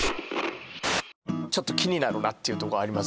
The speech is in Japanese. ちょっと気になるなっていうとこあります？